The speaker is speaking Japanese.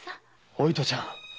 お糸ちゃん！